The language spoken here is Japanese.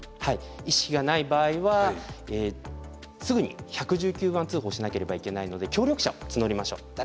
意識がない場合はすぐに１１９番通報しなければいけないので協力者を募りましょう。